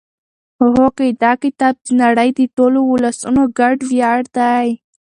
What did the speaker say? هوکې دا کتاب د نړۍ د ټولو ولسونو ګډ ویاړ دی.